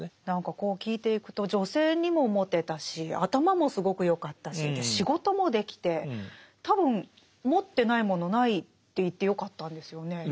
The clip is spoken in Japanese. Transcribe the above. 何かこう聞いていくと女性にもモテたし頭もすごく良かったし仕事もできて多分持ってないものないって言ってよかったんですよね。